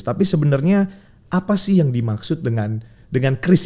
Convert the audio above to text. tapi sebenarnya apa sih yang dimaksud dengan krisis